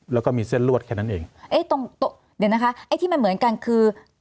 แล้วก็มีเส้นลวดแค่นั้นเองเอ๊ะตรงเดี๋ยวนะคะไอ้ที่มันเหมือนกันคือ